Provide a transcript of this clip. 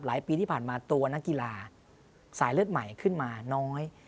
ปีที่ผ่านมาตัวนักกีฬาสายเลือดใหม่ขึ้นมาน้อย